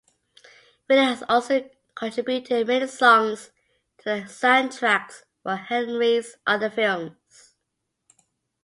Willie has also contributed many songs to the soundtracks for Henry's other films.